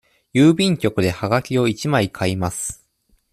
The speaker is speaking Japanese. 郵便局ではがきを一枚買います。